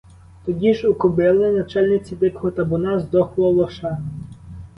Тоді ж у кобили, начальниці дикого табуна, здохло лоша.